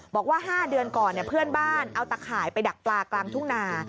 บอกว่าห้าเดือนก่อนเอาตักขายไปดักปลากลางถุงนา